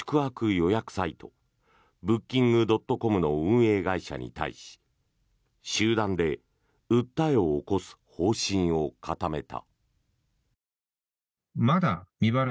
予約サイトブッキングドットコムの運営会社に対し集団で訴えを起こす方針を固めた。